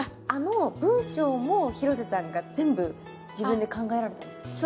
あの文章も広瀬さんが全部自分で考えられたんですか？